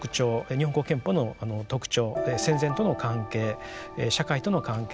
日本国憲法の特徴戦前との関係社会との関係